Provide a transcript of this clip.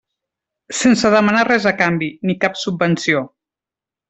Sense demanar res a canvi, ni cap subvenció.